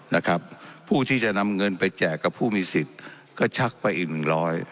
นะครับผู้ที่จะนำเงินไปแจกกับผู้มีสิทธิ์ก็ชักไปอีกหนึ่งร้อย